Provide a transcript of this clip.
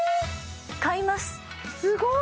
買いますすごい！